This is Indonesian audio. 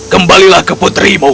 kembalilah ke putrimu